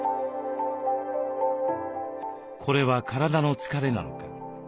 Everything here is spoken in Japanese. これは体の疲れなのか？